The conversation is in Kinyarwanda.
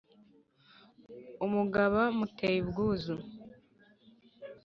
umugaba muteye ubwuzu,